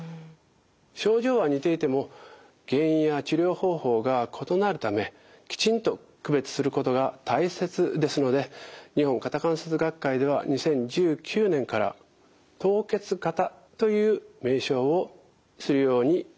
症状は似ていても原因や治療方法が異なるためきちんと区別することが大切ですので日本肩関節学会では２０１９年から凍結肩という名称をするように統一しています。